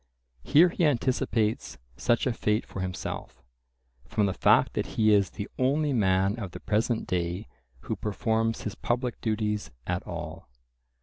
Here he anticipates such a fate for himself, from the fact that he is "the only man of the present day who performs his public duties at all."